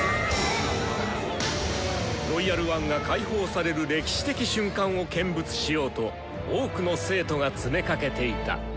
「ロイヤル・ワン」が開放される歴史的瞬間を見物しようと多くの生徒が詰めかけていた。